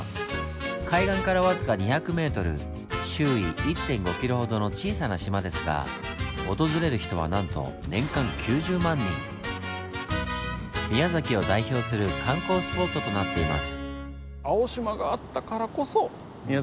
海岸から僅か２００ｍ周囲１．５キロほどの小さな島ですが訪れる人はなんと宮崎を代表する観光スポットとなっています。